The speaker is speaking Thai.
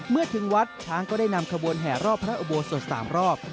เมื่อถึงวัดช้างก็ได้นำขบวนแห่รอบพระอุโบสถ๓รอบ